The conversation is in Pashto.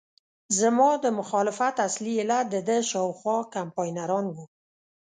زما د مخالفت اصلي علت دده شاوخوا کمپاینران وو.